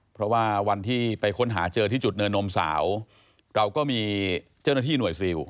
เพราะว่าวันที่ไปค้นหาเจอที่จุดเนินนมสาวเราก็มีเจ้าหน้าที่หน่วยซิล